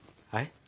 はい？